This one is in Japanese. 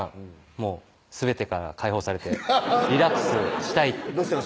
もうすべてから解放されてリラックスしたいどうしてんの？